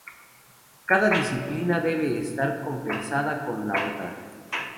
Cada disciplina debe estar compensada con la otra.